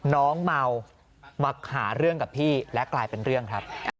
น้องเมามาหาเรื่องกับพี่และกลายเป็นเรื่องครับ